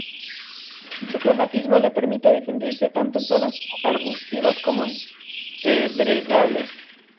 Su cromatismo le permite confundirse tanto en zonas arbustivas como en pedregales.